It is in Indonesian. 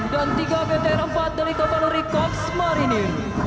dan tiga btr empat dari kapal rikorps marini